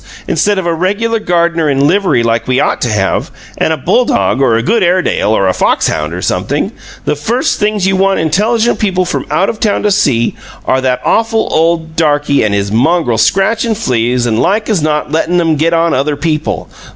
Instead of a regular gardener in livery like we ought to have, and a bulldog or a good Airedale or a fox hound, or something, the first things you want intelligent people from out of town to see are that awful old darky and his mongrel scratchin' fleas and like as not lettin' 'em get on other people!